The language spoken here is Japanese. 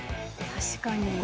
確かに。